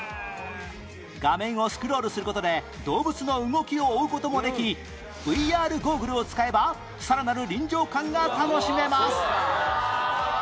画面をスクロールする事で動物の動きを追う事もでき ＶＲ ゴーグルを使えばさらなる臨場感が楽しめます